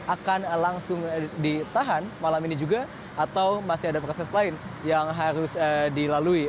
akan langsung ditahan malam ini juga atau masih ada proses lain yang harus dilalui